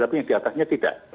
tapi yang di atasnya tidak